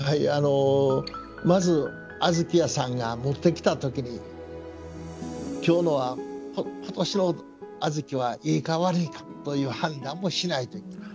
まず小豆屋さんが持ってきた時に今年の小豆はいいか悪いかという判断もしないといけない。